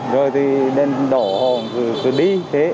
rồi thì đèn đỏ hòm cứ đi thế